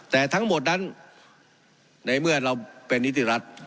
แต่ทั้งหมดนั้นในเมื่อเราเป็นนิติรัฐ